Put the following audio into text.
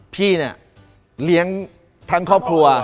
พี่เนี่ยเลี้ยงทั้งครอบครัว